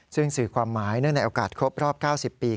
ซึ่งสื่อความหมายเนื่องในโอกาสครบรอบ๙๐ปี